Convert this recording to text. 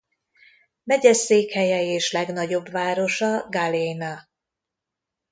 Megyeszékhelye és legnagyobb városa Galena.